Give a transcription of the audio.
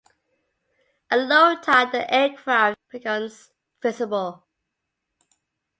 At low tide the aircraft becomes visible.